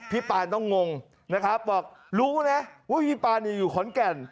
ปานต้องงงนะครับบอกรู้นะว่าพี่ปานอยู่ขอนแก่น